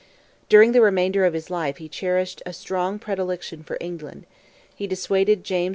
During the remainder of his life he cherished a strong predilection for England; he dissuaded James IV.